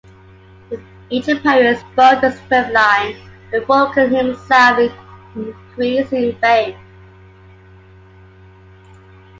With each appearance both the discipline and Foucan himself increased in fame.